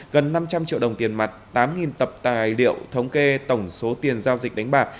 gần năm trăm linh triệu đồng tiền mặt tám tập tài liệu thống kê tổng số tiền giao dịch đánh bạc